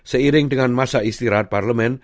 seiring dengan masa istirahatnya